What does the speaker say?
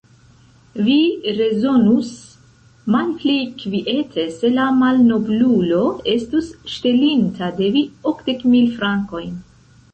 Vi rezonus malpli kviete, se la malnoblulo estus ŝtelinta de vi okdek mil frankojn!